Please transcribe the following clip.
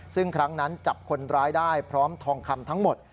ซึ่งครั้งนั้นจับคนร้ายได้พร้อมทองคำทั้งหมด